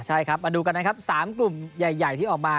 ใช่ครับมาดูกันนะครับ๓กลุ่มใหญ่ที่ออกมา